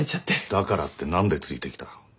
だからって何でついてきた？